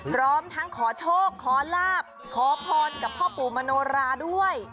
พร้อมทั้งขอโชคขอลาบขอพรกับพ่อปู่มโนราด้วย